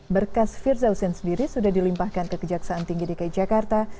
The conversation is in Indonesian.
berkas firza husein sendiri sudah dilimpahkan kekejaksaan tinggi dki jakarta